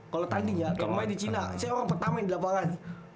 kalo tanding ya rumahnya di cina saya orang pertama yang di lapangan